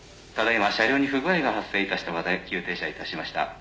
ただいま車両に不具合が発生いたしたので急停車いたしました。